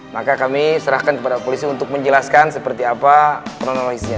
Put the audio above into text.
maka kami serahkan kepada polisi untuk menjelaskan seperti apa kronologisnya